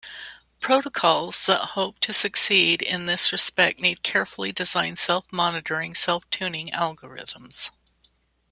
Protocols that hope to succeed in this respect need carefully designed self-monitoring, self-tuning algorithms.